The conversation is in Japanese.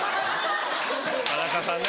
田中さんね。